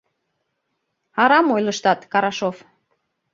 Арам ойлыштат, Карашов.